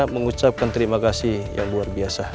mengucapkan terima kasih yang luar biasa